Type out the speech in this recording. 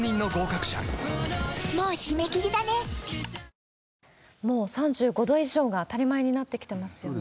ニトリもう３５度以上が当たり前になってきていますよね。